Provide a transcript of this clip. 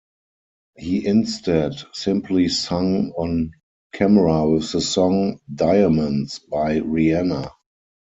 He instead simply sung on camera with the song: "Diamonds" by Rihanna.